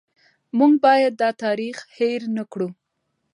موږ باید دا تاریخ هېر نه کړو.